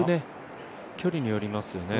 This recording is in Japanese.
距離によりますね。